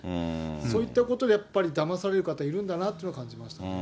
そういったことでやっぱりだまされる方いるんだなというのを感じましたね。